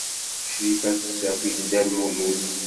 Crifa tessaki-d Dda Lmulud.